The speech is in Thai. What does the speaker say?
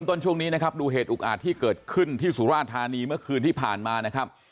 ต้นช่วงนี้นะครับดูเหตุอุกอาจที่เกิดขึ้นที่สุราธานีเมื่อคืนที่ผ่านมานะครับ